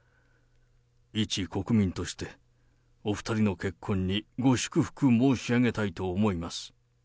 一国民として、お２人の結婚にご祝福申し上げたいと思います。